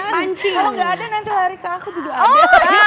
kalau gak ada nanti lari ke aku juga